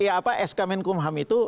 apa sk menkumham itu